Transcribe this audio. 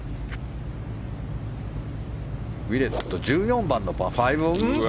ウィレット１４番のパー５。